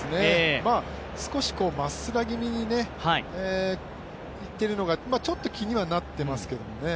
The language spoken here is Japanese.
少しマッスラ気味にいっているのがちょっと気にはなっていますけどね。